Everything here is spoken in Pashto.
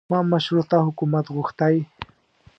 ما مشروطه حکومت غوښتی.